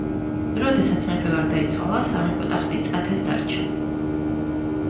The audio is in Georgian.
როდესაც მეფე გარდაიცვალა, სამეფო ტახტი წათეს დარჩა.